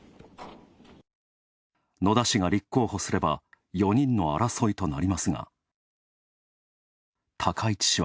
野田氏が立候補すれば４人の争いとなりますが、高市氏は。